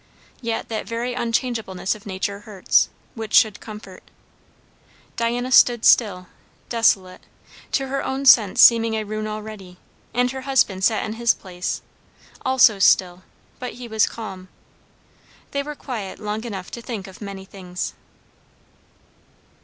Yet that very unchangeableness of nature hurts, which should comfort. Diana stood still, desolate, to her own sense seeming a ruin already; and her husband sat in his place, also still, but he was calm. They were quiet long enough to think of many things.